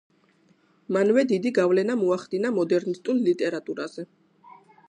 მანვე დიდი გავლენა მოახდინა მოდერნისტულ ლიტერატურაზე.